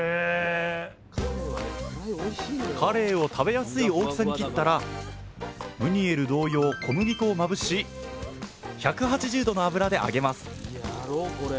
カレイを食べやすい大きさに切ったらムニエル同様小麦粉をまぶし１８０℃の油で揚げます。